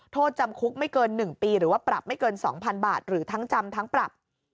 โทษจำคุกไม่เกิน๑ปีหรือว่าปรับไม่เกิน๒๐๐๐บาทหรือทั้งจำทั้งปรับ